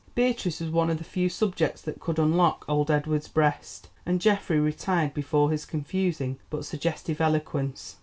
Beatrice was one of the few subjects that could unlock old Edward's breast, and Geoffrey retired before his confusing but suggestive eloquence.